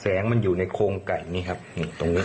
แสงมันอยู่ในโครงไก่นี่ครับตรงนี้